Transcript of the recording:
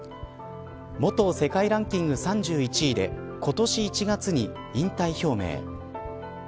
元世界ランキング３１位で今年１月に引退表明。